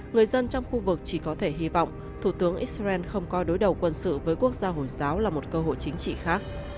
người dân trong khu vực chỉ có thể hy vọng thủ tướng israel không coi đối đầu quân sự với quốc gia hồi giáo là một cơ hội chính trị khác